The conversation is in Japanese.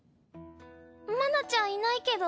麻奈ちゃんいないけど。